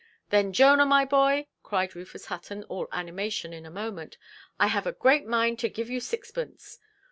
"Then, Jonah, my boy", cried Rufus Hutton, all animation in a moment, "I have a great mind to give you sixpence.